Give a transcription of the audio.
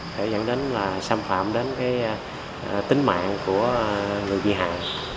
thể dẫn đến là xâm phạm đến tính mạng của người bị hại